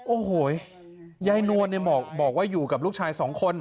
โอ้โหยายนวลบอกว่าอยู่กับลูกชายสองคน